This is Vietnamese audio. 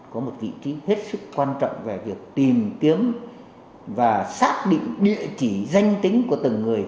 có một vị trí hết sức quan trọng về việc tìm kiếm và xác định địa chỉ danh tính của từng người